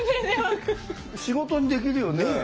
仕事にできるよね？